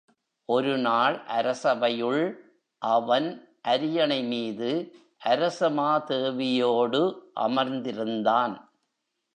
ஒருநாள் அரசவையுள், அவன் அரியணைமீது அரசமா தேவியோடு அமர்ந்திருந்தான்.